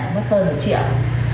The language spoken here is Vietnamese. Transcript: mất hơn một triệu